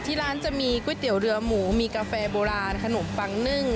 ที่ร้านจะมีก๋วยเตี๋ยวเรือหมูมีกาแฟโบราณขนมปังนึ่ง